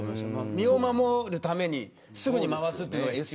身を守るために、すぐに回すというのが必要。